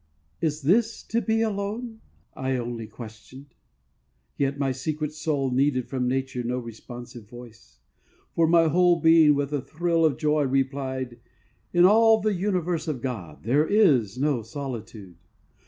"Is this to be alone?" I inly questioned, yet my secret soul Needed from Nature no responsive voice; For my whole being, with a thrill of joy. Replied; "In all the universe of God, There is no solitude!"